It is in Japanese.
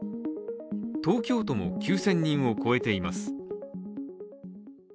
東京都も９０００人を超えています。